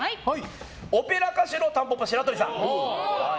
オペラ歌手のたんぽぽ白鳥さん。